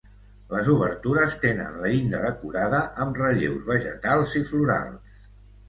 Les obertures tenen la llinda decorada amb relleus vegetals i florals.